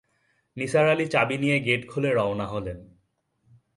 নিসার আলি চাবি দিয়ে গেট খুলে রওনা হলেন।